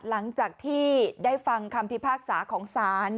หลังจากที่ได้ฟังคำพิพากษาของศาล